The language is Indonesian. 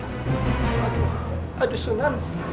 aduh aduh sunan